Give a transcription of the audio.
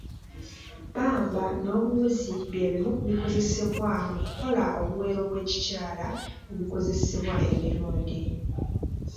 Pamba n'obuwuzi by'ebimu ku bikozesebwa mu kukola obuwero bw'ekikyala obukozesebwa emirundi.